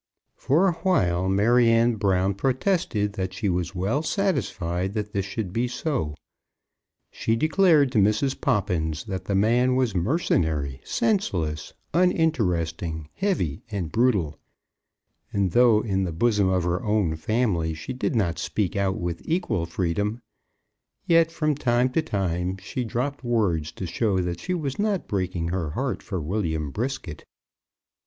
For awhile Maryanne Brown protested that she was well satisfied that this should be so. She declared to Mrs. Poppins that the man was mercenary, senseless, uninteresting, heavy, and brutal; and though in the bosom of her own family she did not speak out with equal freedom, yet from time to time she dropped words to show that she was not breaking her heart for William Brisket.